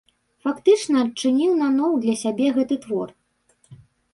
Фактычна адчыніў наноў для сябе гэты твор.